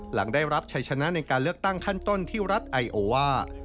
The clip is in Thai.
หลังได้รับชัยชนะในการเลือกตั้งขั้นต้นที่รัฐไอโอว่า